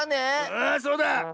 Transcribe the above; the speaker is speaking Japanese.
⁉ああそうだ。